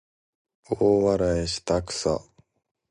大笑いしたくさ